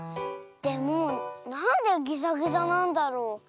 でもなんでぎざぎざなんだろう？